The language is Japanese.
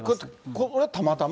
ここはたまたま？